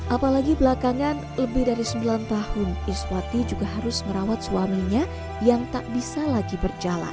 apalagi belakangan lebih dari sembilan tahun iswati juga harus merawat suaminya yang tak bisa lagi berjalan